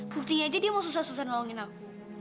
buktinya aja dia mau susah susah ngomongin aku